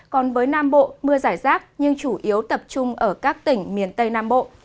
còn với nam bộ mưa giải rác nhưng chủ yếu tập trung ở các tỉnh miền tây nam bộ